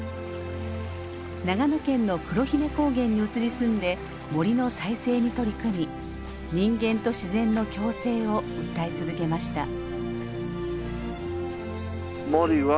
長野県の黒姫高原に移り住んで森の再生に取り組み人間と自然の共生を訴え続けました。